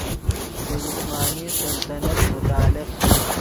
دے عثمانی سلطنت متعلق